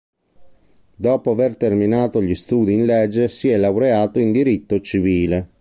Dopo aver terminato gli studi in legge si è laureato in diritto civile.